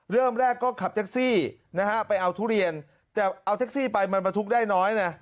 เริ่มแรกก็ขับแท็กซี่นะฮะไปเอาทุเรียนแต่เอาแท็กซี่ไปมันบรรทุกได้น้อยนะ